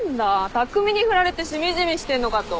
匠にフラれてしみじみしてんのかと。